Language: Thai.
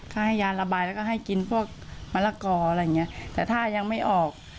ให้ยาระบายแล้วก็ให้กินพวกมะละกออะไรอย่างเงี้ยแต่ถ้ายังไม่ออก